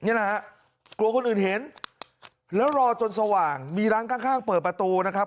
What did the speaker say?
นี่แหละฮะกลัวคนอื่นเห็นแล้วรอจนสว่างมีร้านข้างข้างเปิดประตูนะครับ